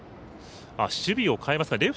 守備を代えますか。